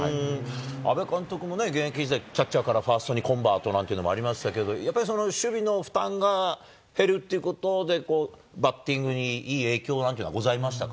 阿部監督もね、現役時代、キャッチャーからファーストにコンバートなんていうのもありましたけど、やっぱりその守備の負担が減るということでバッティングにいい影響なんてのはございましたか？